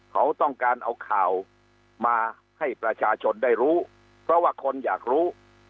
เขาต้องการเอาข่าวมาให้ประชาชนได้รู้เพราะว่าคนอยากรู้